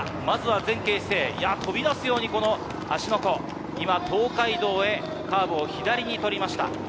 まずは前傾姿勢、飛び出すようにこの芦ノ湖、今、東海道へカーブを左に取りました。